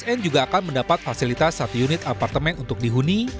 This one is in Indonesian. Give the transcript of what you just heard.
sn juga akan mendapat fasilitas satu unit apartemen untuk dihuni